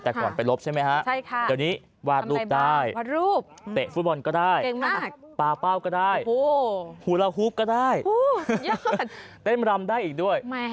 แต่ก่อนไปลบใช่ไหมฮะเดี๋ยวนี้วาดรูปได้วาดรูปเตะฟุตบอลก็ได้ปลาเป้าก็ได้หูละฮุบก็ได้เต้นรำได้อีกด้วย